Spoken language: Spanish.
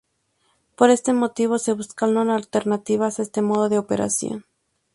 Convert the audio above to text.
Por este motivo se buscaron alternativas a este modo de operación.